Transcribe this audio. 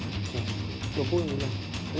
หรือพูดอย่างนี้นี่